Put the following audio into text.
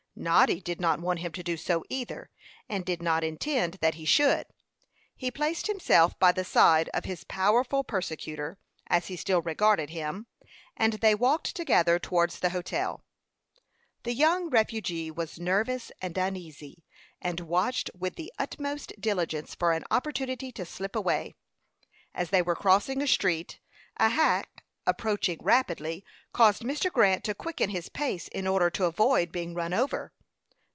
Noddy did not want him to do so either, and did not intend that he should. He placed himself by the side of his powerful persecutor, as he still regarded him, and they walked together towards the hotel. The young refugee was nervous and uneasy, and watched with the utmost diligence for an opportunity to slip away. As they were crossing a street, a hack, approaching rapidly, caused Mr. Grant to quicken his pace in order to avoid being run over.